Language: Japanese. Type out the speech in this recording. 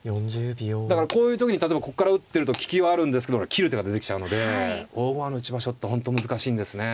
こういう時に例えばここから打ってると利きはあるんですけど切る手が出てきちゃうので大駒の打ち場所って本当難しいんですね。